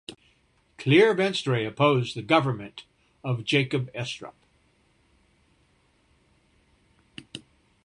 Clear Venstre opposed the government of Jacob Estrup.